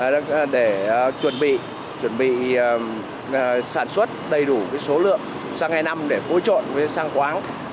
để chuẩn bị sản xuất đầy đủ số lượng xăng e năm để phối trộn với xăng khoáng